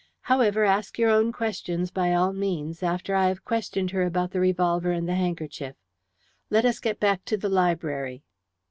However, ask your own questions, by all means, after I have questioned her about the revolver and the handkerchief. Let us get back to the library."